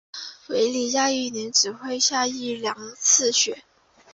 韦里亚一年只会下一两次雪。